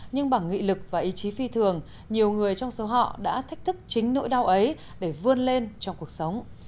nhưng bằng nghị lực và ý chí phi thường nhiều người trong số họ đã thách thức chính nỗi đau ấy để vươn lên trong cuộc sống